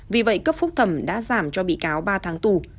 vì vậy cấp phúc thẩm đã giảm cho bị cáo ba tháng tù